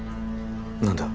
何だ？